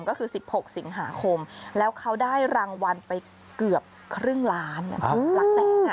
ก็คือ๑๖สิงหาคมแล้วเขาได้รางวัลไปเกือบครึ่งล้านหลักแสน